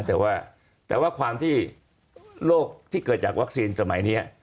แต่ว่าแต่ว่าความที่โรคที่เกิดจากวัคซีนสมัยนี้